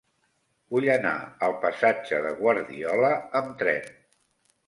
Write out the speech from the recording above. Vull anar al passatge de Guardiola amb tren.